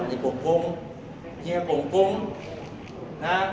มันเป็นสิ่งที่เราไม่รู้สึกว่า